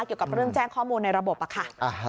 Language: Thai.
เกี่ยวกับเรื่องแจ้งข้อมูลในระบบอะค่ะ